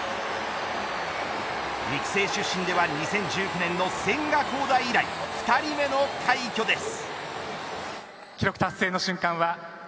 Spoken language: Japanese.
育成出身では２０１９年の千賀滉大以来２人目の快挙です。